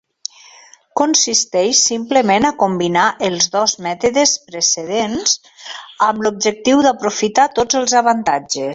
Consisteix simplement a combinar els dos mètodes precedents amb l'objectiu d'aprofitar tots els avantatges.